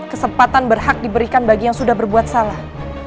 kesempatan berhak diberikan bagi yang sudah berbuat salah